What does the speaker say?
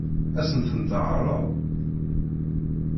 Ad sen-ten-teɛṛeḍ?